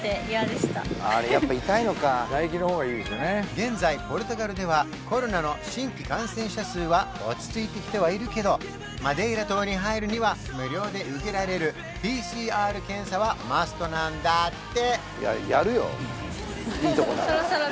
現在ポルトガルではコロナの新規感染者数は落ち着いてきてはいるけどマデイラ島に入るには無料で受けられるＰＣＲ検査はマストなんだって！